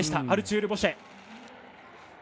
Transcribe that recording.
アルチュール・ボシェ。